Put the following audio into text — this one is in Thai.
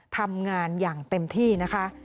ทำงานอย่างเต็มที่นะคะ